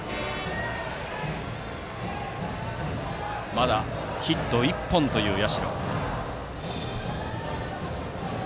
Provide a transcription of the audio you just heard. まだヒット１本という社。